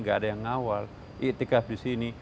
tidak ada yang mengawal iktikaf di sini